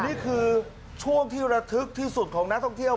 นี่คือช่วงที่ระทึกที่สุดของนักท่องเที่ยว